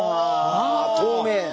透明な。